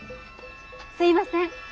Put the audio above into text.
すいません。